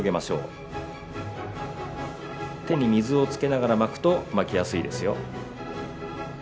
手に水をつけながら巻くと巻きやすいですよ。